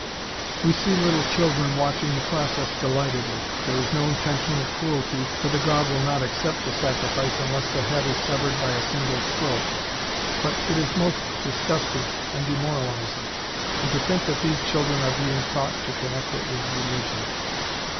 "We see little children watching the process delightedly. There is no intentional cruelty, for the god will not accept the sacrifice unless the head is severed by a single stroke. But it is most disgusting and demoralizing. And to think that these children are being taught to connect it with religion!